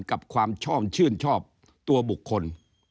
กับความชอบชื่นชอบตัวบุคคล